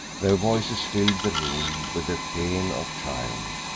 Their voices filled the room with a paean of triumph.